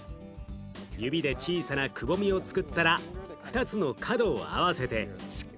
指で小さなくぼみをつくったら２つの角を合わせてしっかりくっつけます。